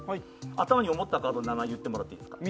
頭に思ったカードの名前言ってもらっていいですか。